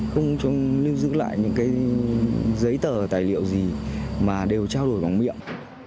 không lưu giữ lại những cái giấy tờ tài liệu gì mà đều trao đổi bằng miệng